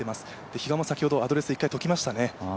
比嘉も先ほどアドレス一回解きましたね。